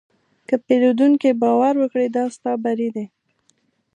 که پیرودونکی باور وکړي، دا ستا بری دی.